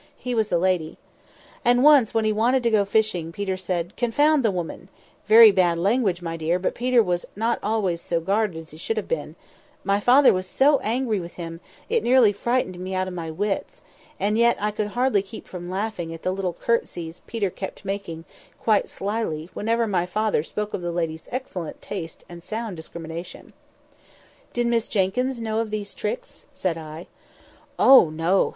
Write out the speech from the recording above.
He was the lady. And once when he wanted to go fishing, Peter said, 'Confound the woman!'—very bad language, my dear, but Peter was not always so guarded as he should have been; my father was so angry with him, it nearly frightened me out of my wits: and yet I could hardly keep from laughing at the little curtseys Peter kept making, quite slyly, whenever my father spoke of the lady's excellent taste and sound discrimination." [Picture: Confound the woman] "Did Miss Jenkyns know of these tricks?" said I. "Oh, no!